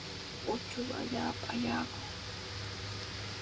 Uchuqa allaapami ayaykun.